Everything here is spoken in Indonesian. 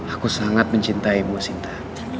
aku sangat mencintaimu sinta